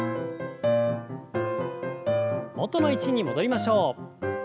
元の位置に戻りましょう。